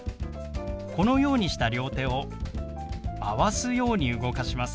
このようにした両手を回すように動かします。